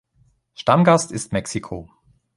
Stammgast ist Mexiko.